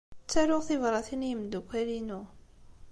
Ttaruɣ tibṛatin i yimeddukal-inu.